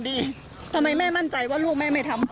ทำไมแม่มั่นใจว่าลูกแม่ไม่ทำ